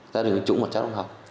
gia đình nguyễn trũng một cháu đang học